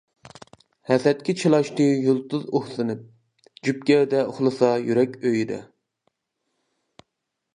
ھەسەتكە چىلاشتى يۇلتۇز ئۇھسىنىپ، جۈپ گەۋدە ئۇخلىسا يۈرەك ئۆيىدە.